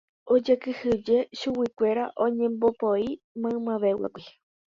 Ojekyhyje chuguikuéra oñembopoʼi maymavévagui.